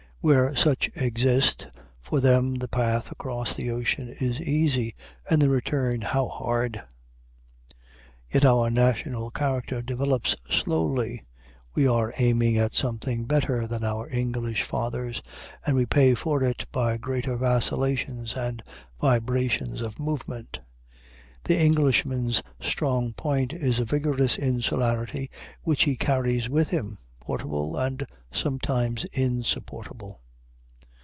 Where such exist, for them the path across the ocean is easy, and the return how hard! Yet our national character develops slowly; we are aiming at something better than our English fathers, and we pay for it by greater vacillations and vibrations of movement. The Englishman's strong point is a vigorous insularity which he carries with him, portable and sometimes insupportable.